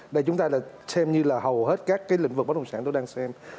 để chúng ta xem như là hầu hết các cái lĩnh vực bất động sản tôi đang xem